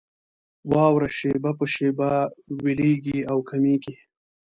واوره شېبه په شېبه ويلېږي او کمېږي.